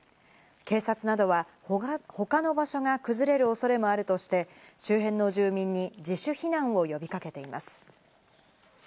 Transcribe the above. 警察などは他の場所が崩れる恐れもあるとして周辺の住民に自主避難を呼びかけています。